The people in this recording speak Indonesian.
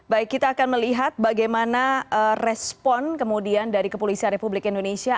baik kita akan melihat bagaimana respon kemudian dari kepolisian republik indonesia